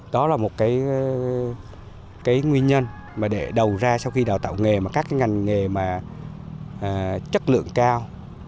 đó là một cái nguyên nhân mà để đầu ra sau khi đào tạo nghề mà các cái ngành nghề mà chất lượng cao